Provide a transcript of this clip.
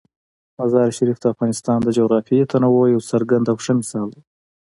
مزارشریف د افغانستان د جغرافیوي تنوع یو څرګند او ښه مثال دی.